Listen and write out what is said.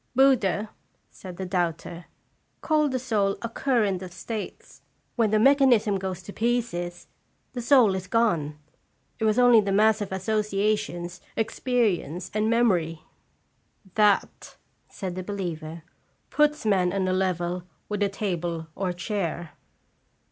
"Buddha," said the doubter, "called the soul a current of states ; when the mechanism goes to pieces, the soul is gone. It was only the mass of associations, experience, and memory." " That," said the believer, " puts man on a level with a table or chair."